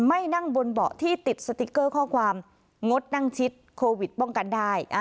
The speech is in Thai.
ไม่นั่งบนเบาะที่ติดสติ๊กเกอร์ข้อความงดนั่งชิดโควิดป้องกันได้